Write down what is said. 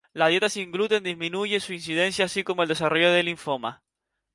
La dieta sin gluten disminuye su incidencia así como el desarrollo de linfomas.